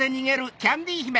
キャンディひめ。